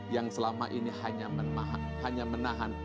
yang selama ini hanya menahan